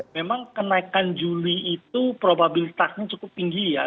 memang kenaikan juli itu probabilitasnya cukup tinggi ya